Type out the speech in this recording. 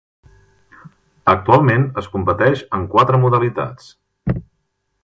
Actualment es competeix en quatre modalitats.